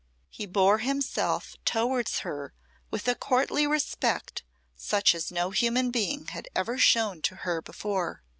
He bore himself towards her with a courtly respect such as no human being had ever shown to her before.